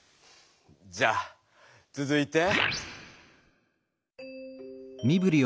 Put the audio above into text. じゃあつづいて。